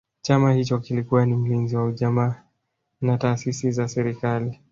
Chama hicho kilikuwa ni mlinzi wa ujamaa na taasisi za serikali